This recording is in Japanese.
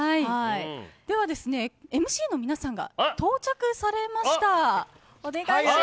では、ＭＣの皆さんが到着されました。